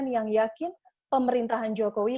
yang yakin pemerintahan jokowi